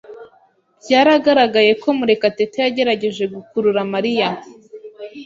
Byaragaragaye ko Murekatete yagerageje gukurura Mariya.